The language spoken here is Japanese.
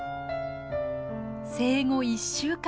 生後１週間ほど。